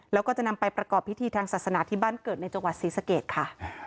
แล้วก็จะนำไปประกอบพิธีทางศาสนาที่บ้านเกิดในจังหวัดศรีสะเกดค่ะ